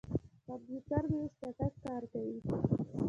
کمپیوټر مې اوس چټک کار کوي.